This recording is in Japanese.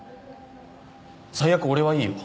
最悪俺はいいよ